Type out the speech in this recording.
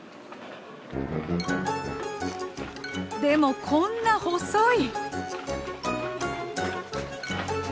でもこんな細い！